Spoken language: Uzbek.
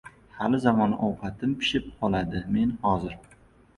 Hali- zamon ovqatim pishib qoladi. Men hozir...